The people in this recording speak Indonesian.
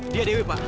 dia dewi pak